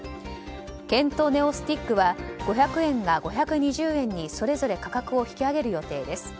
ケント・ネオスティックは５００円が５２０円にそれぞれ価格を引き上げる予定です。